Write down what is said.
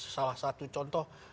salah satu contoh